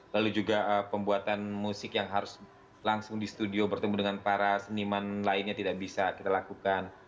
lalu juga pembuatan musik yang harus langsung di studio bertemu dengan para seniman lainnya tidak bisa kita lakukan